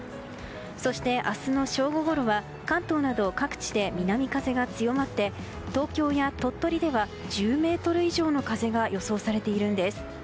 そして明日の正午ごろは関東など各地で南風が強まって、東京や鳥取では１０メートル以上の風が予想されているんです。